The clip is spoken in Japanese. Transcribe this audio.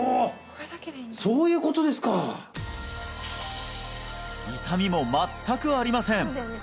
そういうことですか痛みも全くありません！